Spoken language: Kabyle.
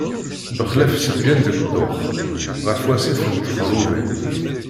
Bexlaf ṣṣebyan deg dduḥ, ɣer wasif n Txerrubin.